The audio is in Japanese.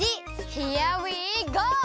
ヒアウィーゴー！